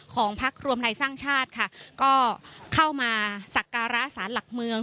พักรวมไทยสร้างชาติค่ะก็เข้ามาสักการะสารหลักเมือง